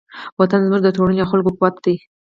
وطن زموږ د ټولنې او خلکو قوت دی.